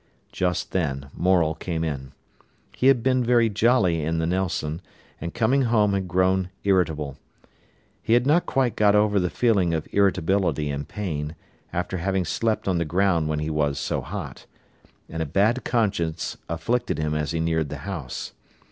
Just then Morel came in. He had been very jolly in the Nelson, but coming home had grown irritable. He had not quite got over the feeling of irritability and pain, after having slept on the ground when he was so hot; and a bad conscience afflicted him as he neared the house.